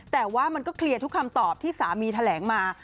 แต่ว่ามันก็เคลียร์ทุกคำตอบที่สามีแถลงมา